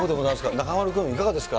中丸君、いかがですか。